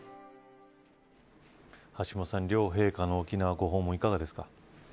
橋下さん、両陛下の沖縄ご訪問いかがですか。